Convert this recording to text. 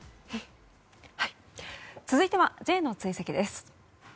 続いてはＪの追跡です。